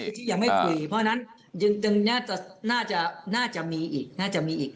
คือที่ยังไม่คุยเพราะฉะนั้นน่าจะมีอีก